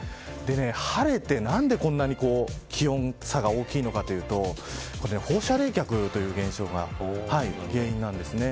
晴れてなんでこんなに気温差が大きいのかというと放射冷却という現象が原因なんです。